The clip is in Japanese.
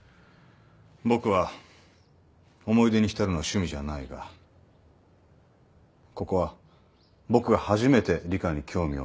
僕は思い出に浸るのは趣味じゃないがここは僕が初めて理科に興味を持った場所だ。